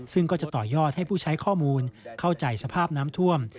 ซึ่งก็จะต่อยอดให้ผู้ใช้ข้อมูลเข้าใจสภาพน้ำท่วม